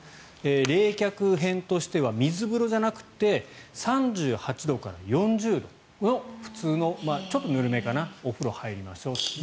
冷却編としては水風呂じゃなくて３８度から４０度の、普通のちょっとぬるめかなお風呂に入りましょう。